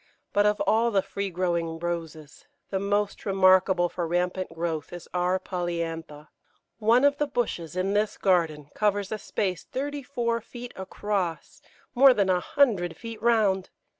But of all the free growing Roses, the most remarkable for rampant growth is R. polyantha. One of the bushes in this garden covers a space thirty four feet across more than a hundred feet round.